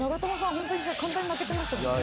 ホントに簡単に負けてましたもんね」